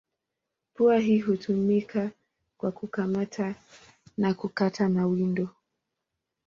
Pua hii hutumika kwa kukamata na kukata mawindo.